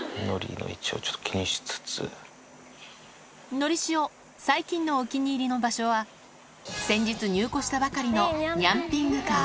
のりしお、最近のお気に入りの場所は、先日入庫したばかりのニャンピングかー。